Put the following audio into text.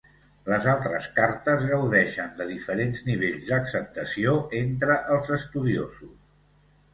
Les altres cartes gaudeixen de diferents nivells d'acceptació entre els estudiosos.